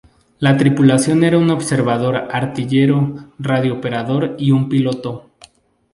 La tripulación era un observador artillero-radioperador y un piloto.